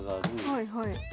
はいはい。